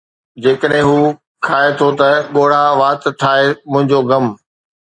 جيڪڏهن هو کائي ٿو ته ڳوڙها وات ٺاهي، منهنجو غم